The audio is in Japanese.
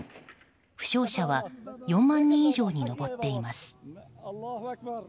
負傷者は４万人以上に上っています。